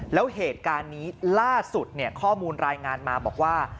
แล้วเหตุการณ์นี้ล่าสุดข้อมูลรายงานมาบอกว่า